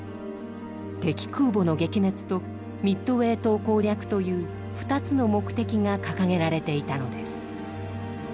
敵空母の撃滅とミッドウェー島攻略という２つの目的が掲げられていたのです。